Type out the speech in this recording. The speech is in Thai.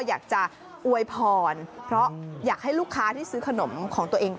อยากจะอวยพรเพราะอยากให้ลูกค้าที่ซื้อขนมของตัวเอง